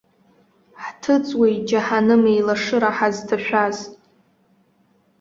Ҳҭыҵуеит џьаҳаным еилашыра ҳазҭашәаз!